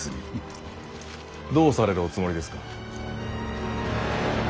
どうされるおつもりですか。